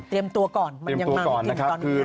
เตรียมตัวก่อนมันยังมากติดตอนนี้